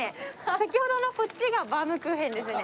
先ほどのこっちがバウムクーヘンですね。